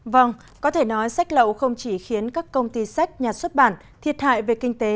vâng có thể nói sách lậu không chỉ khiến các công ty sách nhà xuất bản thiệt hại về kinh tế